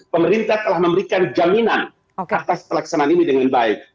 pemerintah telah memberikan jaminan atas pelaksanaan ini dengan baik